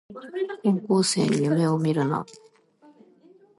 高校生に夢をみるな